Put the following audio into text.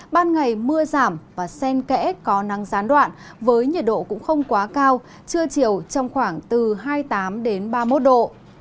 ban ngày mưa giảm và sen kẽ có nắng gián đoạn với nhiệt độ cũng không quá cao trưa chiều trong khoảng từ hai mươi tám ba mươi một độ